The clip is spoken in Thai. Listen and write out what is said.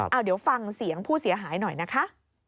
เอาเดี๋ยวฟังเสียงผู้เสียหายหน่อยนะคะ